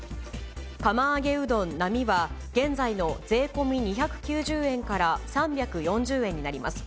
釜揚げうどん並は、現在の税込み２９０円から３４０円になります。